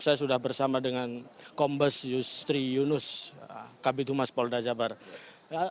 saya sudah bersama dengan kombes yustri yunus kabit humas polda jawa barat